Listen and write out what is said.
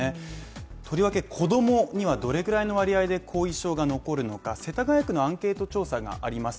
とりわけ子供にはどれくらいの割合で後遺症が残るのか、世田谷区のアンケート調査があります。